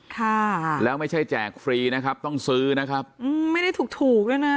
ค่ะแล้วไม่ใช่แจกฟรีนะครับต้องซื้อนะครับอืมไม่ได้ถูกถูกด้วยนะ